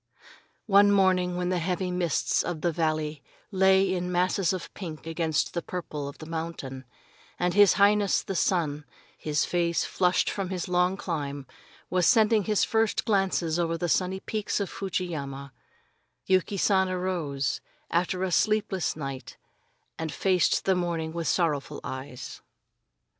One morning, when the heavy mists of the valley lay in masses of pink against the deeper purple of the mountain, and his Highness, the sun, his face flushed from his long climb, was sending his first glances over the sunny peaks of Fuji yama, Yuki San arose, after a sleepless night, and faced the morning with sorrowful eyes.